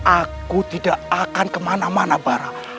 aku tidak akan kemana mana bara